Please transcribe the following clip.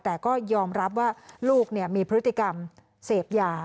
แต่ก็ยอมรับว่าลูกมีพฤติกรรมเสพยา